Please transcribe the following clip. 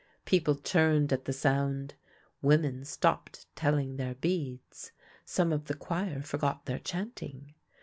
People turned at the sound, women stopped telling their beads, some of the choir forgot their chanting.